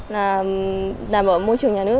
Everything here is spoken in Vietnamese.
làm ở môi trường nhà nước